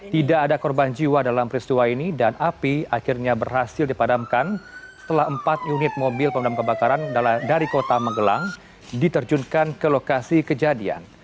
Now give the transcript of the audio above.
tidak ada korban jiwa dalam peristiwa ini dan api akhirnya berhasil dipadamkan setelah empat unit mobil pemadam kebakaran dari kota magelang diterjunkan ke lokasi kejadian